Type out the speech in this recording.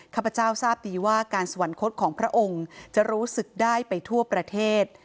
ข้าพเจ้าทราบดีว่าการสวรรคตของพระองค์จะรู้สึกได้ไปทั่วประเทศ